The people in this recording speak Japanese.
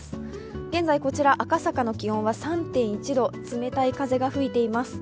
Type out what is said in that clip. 現在こちら赤坂の気温は３．１度、冷たい風が吹いています。